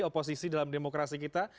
oposisi dalam demokrasi kita